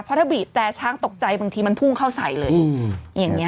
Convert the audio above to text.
เพราะถ้าบีบแต่ช้างตกใจบางทีมันพุ่งเข้าใส่เลยอย่างนี้